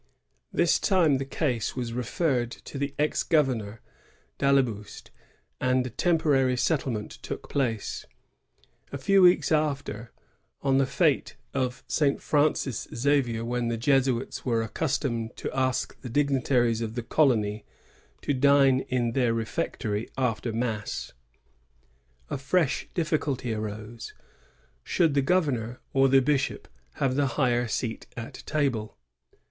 This time the case was referred to the ex governor, d'Ailleboust, and a temporary settiement took place.^ A few weeks after, on the fSte of Saint Francis Xavier, when the Jesuits were accustomed to ask the digni taries of the colony to dine in their refectory after mass, a fresh difficulty arose, — Should the governor or the bishop have the higher seat at table?